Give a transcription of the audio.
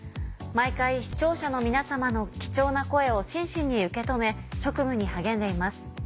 毎回視聴者の皆様の貴重な声を真摯に受け止め職務に励んでいます。